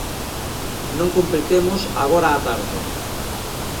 Non compliquemos agora a tarde.